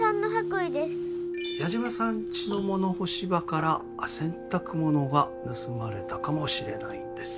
矢島さんちの物干し場から洗濯物が盗まれたかもしれないんです。